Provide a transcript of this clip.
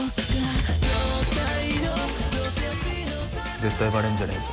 絶対バレんじゃねぇぞ。